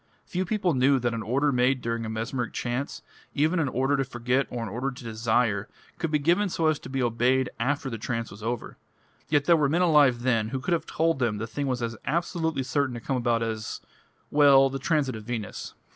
Few people knew that an order made during a mesmeric trance, even an order to forget or an order to desire, could be given so as to be obeyed after the trance was over. Yet there were men alive then who could have told them the thing was as absolutely certain to come about as well, the transit of Venus."